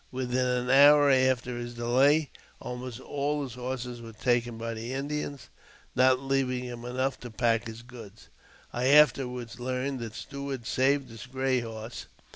Within an hour after his delay, almost all his horses were taken by the Indians, not leaving him enough ta pack his goods. I afterwards learned that Stuart saved his gray horse.